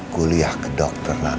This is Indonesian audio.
kuliah ke dokter